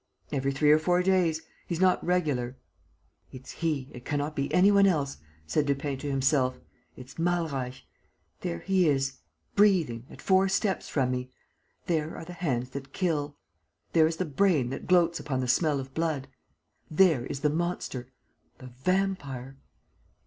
"Every three or four days. He's not regular." "It's he, it cannot be any one else," said Lupin to himself. "It's Malreich. There he is ... breathing ... at four steps from me. There are the hands that kill. There is the brain that gloats upon the smell of blood. There is the monster, the vampire!